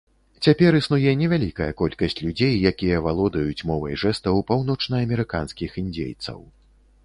Цяпер існуе невялікая колькасць людзей, якія валодаюць мовай жэстаў паўночнаамерыканскіх індзейцаў.